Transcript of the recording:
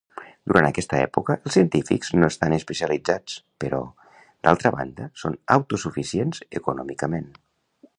Durant aquesta època, els científics no estan especialitzats, però, d'altra banda, són autosuficients econòmicament.